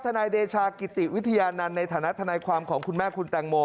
นายเดชากิติวิทยานันต์ในฐานะทนายความของคุณแม่คุณแตงโม